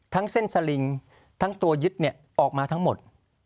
ทั้งเส้นสลิงทั้งตัวยึดเนี่ยออกมาทั้งหมด